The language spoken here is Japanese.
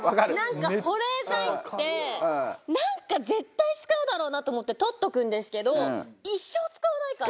なんか保冷剤ってなんか絶対使うだろうなと思って取っておくんですけど一生使わないから。